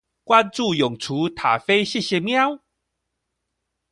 關註永雛塔菲謝謝喵